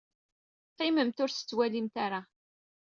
Qqimemt ur ttewliwilemt ara.